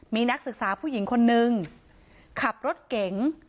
มีนักศึกษาผู้หญิงคนนึงขับรถเก๋ง